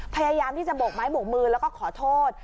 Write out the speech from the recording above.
พยายามที่จะโบกไม้บกมือแล้วก็ขอโทษ